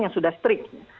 yang sudah strict